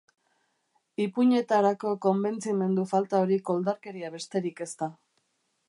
Ipuinetarako konbentzimendu falta hori koldarkeria besterik ez da.